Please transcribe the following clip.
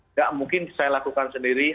nggak mungkin saya lakukan sendiri